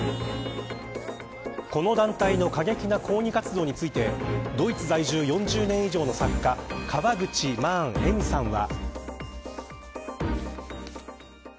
この団体の過激な抗議活動についてドイツ在住４０年以上の作家川口・マーン・恵美さんは。